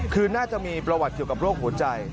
คือน่าจะมีประวัติเกี่ยวกับโรคหัวใจ